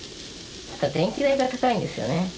電気代が高いんですよね